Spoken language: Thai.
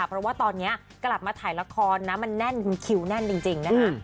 เพราะว่าตอนนี้กลับมาถ่ายละครนะมันแน่นคุณคิวแน่นจริงนะคะ